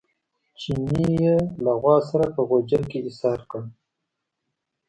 چیني یې له غوا سره په غوجل کې ایسار کړل.